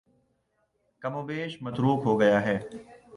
کم و بیش متروک ہو گیا ہے